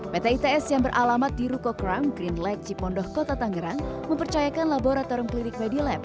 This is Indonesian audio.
pemondok kota tangerang mempercayakan laboratorium klinik medilab